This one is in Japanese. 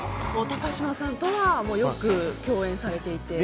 高嶋さんとはよく共演されていて？